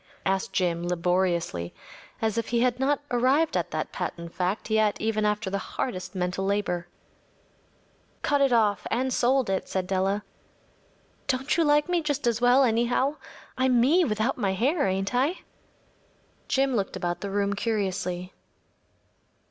‚ÄĚ asked Jim, laboriously, as if he had not arrived at that patent fact yet even after the hardest mental labor. “Cut it off and sold it,‚ÄĚ said Della. “Don’t you like me just as well, anyhow? I’m me without my hair, ain’t I?‚ÄĚ Jim looked about the room curiously.